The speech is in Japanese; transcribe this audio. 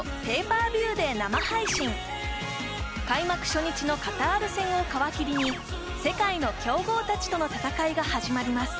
・パー・ビューで生配信開幕初日のカタール戦を皮切りに世界の強豪達との戦いが始まります